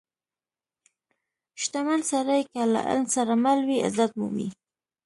• شتمن سړی که له علم سره مل وي، عزت مومي.